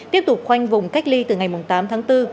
tiếp tục khoanh vùng cách ly từ ngày tám tháng bốn